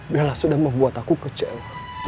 biarlah sudah membuat aku kecewa